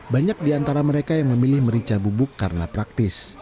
banyak diantara mereka yang memilih merica bubuk karena praktis